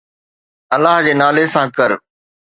الله جي نالي سان ڪر